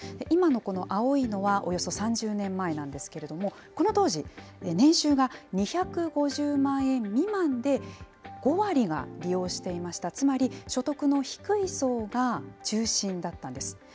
今のこの青いのは、およそ３０年前なんですけれども、この当時、年収が２５０万円未満で、５割が利用していました、つまり、所得の低い層が中心だったんです。